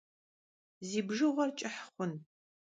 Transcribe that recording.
Zi bjığuer ç'ıh xhun!